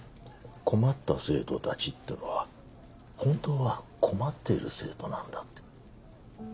困った生徒たちってのは本当は困っている生徒なんだって。